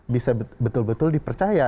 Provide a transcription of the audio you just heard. bisa betul betul dipercaya